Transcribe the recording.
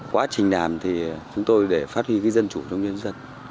quá trình làm thì chúng tôi để phát huy dân chủ trong nhân dân